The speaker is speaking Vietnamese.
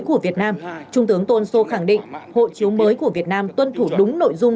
của việt nam trung tướng tôn sô khẳng định hộ chiếu mới của việt nam tuân thủ đúng nội dung